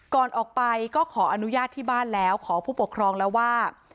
ก่อนออกไปก็ขออนุญาตที่บ้านแล้วขอผู้ปกครองแล้วว่า